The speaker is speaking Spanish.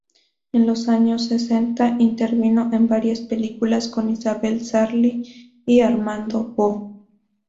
En los años sesenta intervino en varias películas con Isabel Sarli y Armando Bó.